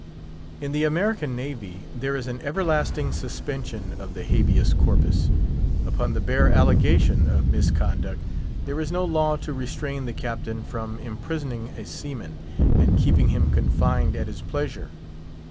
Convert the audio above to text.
In the American Navy there is an everlasting suspension of the Habeas Corpus. Upon the bare allegation of misconduct there is no law to restrain the Captain from imprisoning a seaman, and keeping him confined at his pleasure.